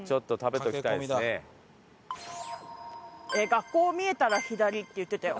学校見えたら左って言ってたよ。